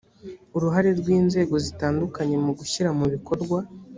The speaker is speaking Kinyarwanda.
uruhare rw inzego zitandukanye mu gushyira mu bikorwa